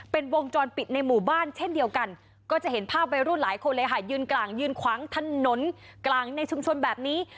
เป็นวงจรปิดในหมู่บ้านเช่นเดียวกันก็จะเห็นภาพวัยรุ่นหลายคนเลยค่ะยืนกลางยืนขวางถนนกลางในชุมชนแบบนี้